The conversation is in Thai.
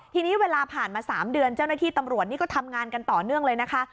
ทีนี้เวลาผ่านมา๓เดือนเจ้าหน้าที่ตำรวจนี่ก็ทำงานกันต่อเนื่องเลยนะคะ